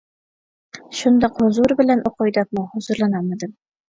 شۇنداق ھۇزۇر بىلەن ئوقۇي دەپمۇ ھۇزۇرلىنالمىدىم.